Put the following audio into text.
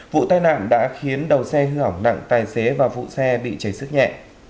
vụ tai nạn đã khiến đầu xe hư hỏng nặng tài xế và vụ xe bị chảy sức nhẹ